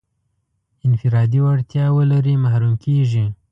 انفرادي وړتیا ولري محروم کېږي.